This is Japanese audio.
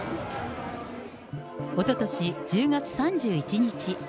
おととし１０月３１日。